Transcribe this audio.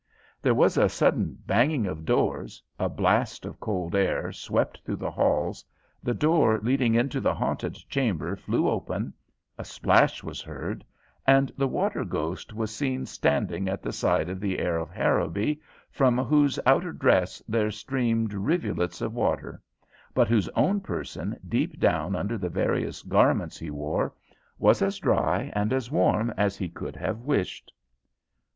There was a sudden banging of doors, a blast of cold air swept through the halls, the door leading into the haunted chamber flew open, a splash was heard, and the water ghost was seen standing at the side of the heir of Harrowby, from whose outer dress there streamed rivulets of water, but whose own person deep down under the various garments he wore was as dry and as warm as he could have wished.